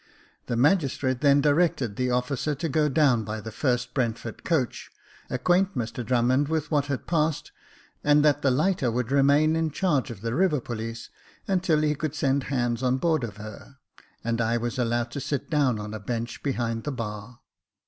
The magistrate then directed the officer to go down by the first Brentford coach, acquaint Mr Drummond with Jacob Faithful 69 what had passed, and that the lighter would remain in charge of the river police until he could send hands on board of her ; and I was allowed to sit down on a bench behind the bar.